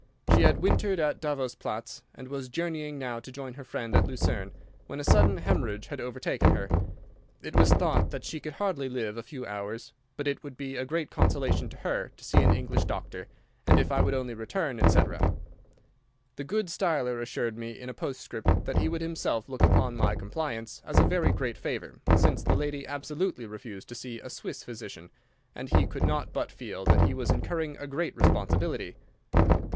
She had wintered at Davos Platz, and was journeying now to join her friends at Lucerne, when a sudden hemorrhage had overtaken her. It was thought that she could hardly live a few hours, but it would be a great consolation to her to see an English doctor, and, if I would only return, etc. The good Steiler assured me in a postscript that he would himself look upon my compliance as a very great favour, since the lady absolutely refused to see a Swiss physician, and he could not but feel that he was incurring a great responsibility.